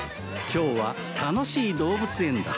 今日は楽しい動物園だ